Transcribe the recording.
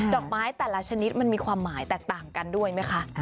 อกไม้แต่ละชนิดมันมีความหมายแตกต่างกันด้วยไหมคะ